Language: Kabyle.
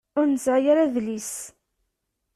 Ur nesεi ara adlis.